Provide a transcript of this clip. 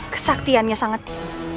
kesaktiannya sangat tinggi